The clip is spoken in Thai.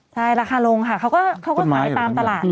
ใช่ราคาลงค่ะเขาก็ขายตามตลาด